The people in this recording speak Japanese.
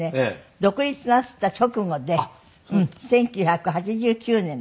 独立なすった直後で１９８９年。